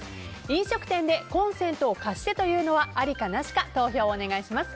飲食店でコンセントを貸してと言うのはありかなしか投票お願いします。